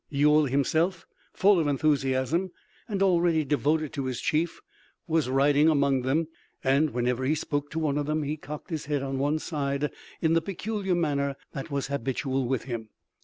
Ewell himself, full of enthusiasm and already devoted to his chief, was riding among them, and whenever he spoke to one of them he cocked his head on one side in the peculiar manner that was habitual with him.